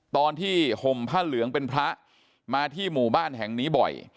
ตอนที่ห่มผ้าเหลืองเป็นพระมาที่หมู่บ้านแห่งนี้บ่อย